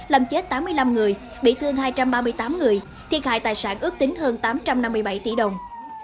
làm chết tám mươi năm người bị thương hai trăm ba mươi tám người thiệt hại tài sản ước tính hơn tám trăm năm mươi bảy tỷ đồng